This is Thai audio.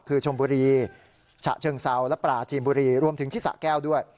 คือชมบุรีฉะเชิงเซาและปราจีนบุรีรวมถึงที่สะแก้วด้วย